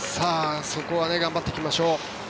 そこは頑張っていきましょう。